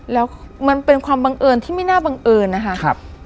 แล้วมันเป็นความบังเอิญที่ไม่น่าบังเอิญนะคะ